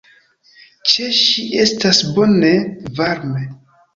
Ĉe ŝi estas bone, varme.